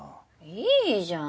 いいじゃん。